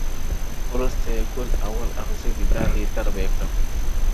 وروسته يې گل اول اغزى دی دادی در به يې كـــړم؛